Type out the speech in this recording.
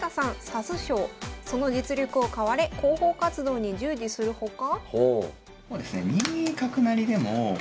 指す将その実力を買われ広報活動に従事するほか。